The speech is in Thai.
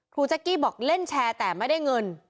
แจ๊กกี้บอกเล่นแชร์แต่ไม่ได้เงิน